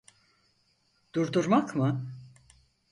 Durdurmak mı?